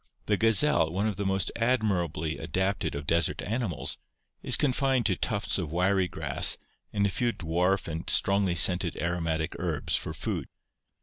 The gazelle, one of the most admirably adapted of desert animals, is confined to tufts of wiry grass and a few dwarf and strongly scented aromatic herbs for food.